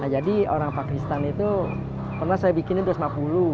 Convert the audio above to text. jadi orang pakistan itu pernah saya bikinnya dua ratus lima puluh